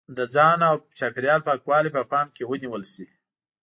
د ځان او چاپېریال پاکوالی په پام کې ونیول شي.